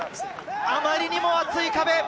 あまりにも厚い壁。